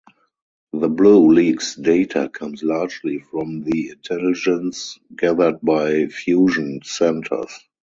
The Blue Leaks data comes largely from the intelligence gathered by fusion centers.